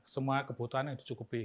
semua kebutuhan yang dicukupi